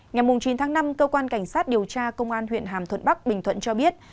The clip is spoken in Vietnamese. ngày chín tháng năm cơ quan cảnh sát điều tra công an huyện hàm thuận bắc bình thuận cho biết